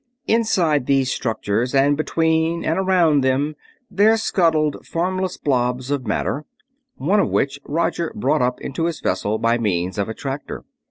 Inside these structures and between and around them there scuttled formless blobs of matter, one of which Roger brought up into his vessel by means of a tractor.